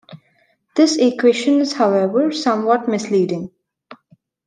This equation is however somewhat misleading.